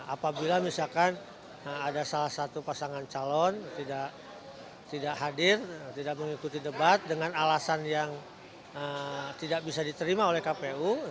apabila misalkan ada salah satu pasangan calon tidak hadir tidak mengikuti debat dengan alasan yang tidak bisa diterima oleh kpu